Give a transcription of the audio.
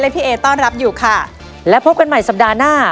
พี่เอต้อนรับอยู่ค่ะและพบกันใหม่สัปดาห์หน้า